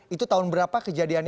itu tahun berapa kejadiannya